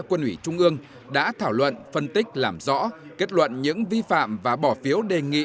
quân ủy trung ương đã thảo luận phân tích làm rõ kết luận những vi phạm và bỏ phiếu đề nghị